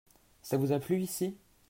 Ça vous a plu ici ?